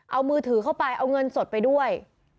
เอามือถือเข้าไปเอาเงินสดไปด้วย